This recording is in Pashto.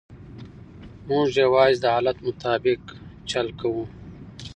موږ یوازې د حالت مطابق چل کوو.